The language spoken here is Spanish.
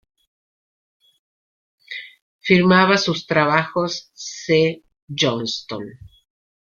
Firmaba sus trabajos C. Johnston.